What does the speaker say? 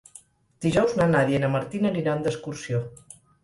Dijous na Nàdia i na Martina aniran d'excursió.